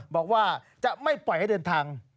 บอกว่าจะไม่ปล่อยให้เดินทาง